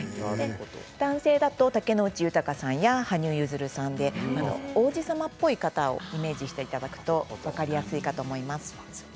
男性だと竹野内豊さんや羽生結弦さんで王子様っぽい方をイメージしていただくと分かりやすいと思います。